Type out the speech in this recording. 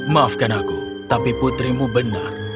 maafkan aku tapi putrimu benar